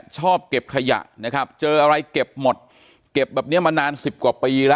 ชอบเก็บขยะนะครับเจออะไรเก็บหมดเก็บแบบเนี้ยมานานสิบกว่าปีแล้ว